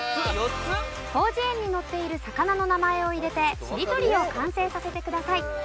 『広辞苑』に載っている魚の名前を入れてしりとりを完成させてください。